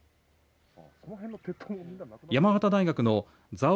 山形大学の蔵王